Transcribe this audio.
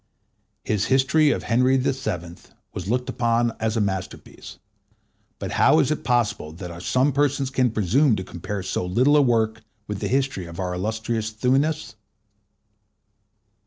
His History of Henry VII. was looked upon as a masterpiece, but how is it possible that some persons can presume to compare so little a work with the history of our illustrious Thuanus?